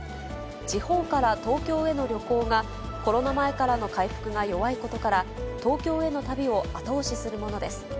地方から東京への旅行が、コロナ前からの回復が弱いことから、東京への旅を後押しするものです。